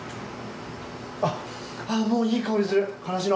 あっもういい香りするからしの。